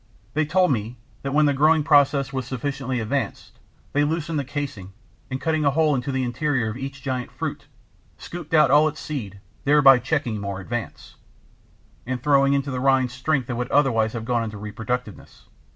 They told me that when the growing process was sufficiently advanced, they loosened the casing, and cutting a hole into the interior of each giant fruit, scooped out all its seed, thereby checking more advance, and throwing into the rind strength that would otherwise have gone to reproductiveness.